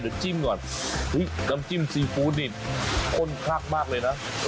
กำจิ้มก่อนกำจิ้มซีฟู้ดนี่ข้นพลาดมากเลยนะ